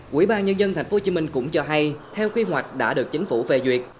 quỹ ban nhân dân tp hcm cũng cho hay theo quy hoạch đã được chính phủ phê duyệt